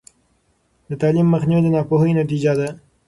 د تعلیم مخنیوی د ناپوهۍ نتیجه ده.